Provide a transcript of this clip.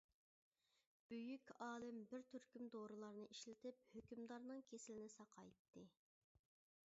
بۈيۈك ئالىم بىر تۈركۈم دورىلارنى ئىشلىتىپ ھۆكۈمدارنىڭ كېسىلىنى ساقايتتى.